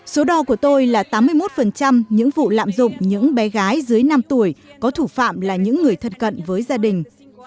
số đo của tôi là tám mươi một những vụ lạm dụng những bé gái dưới năm tuổi có thủ phạm là những người thân cận với gia đình